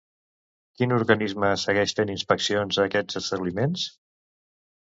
Quin organisme segueix fent inspeccions a aquests establiments?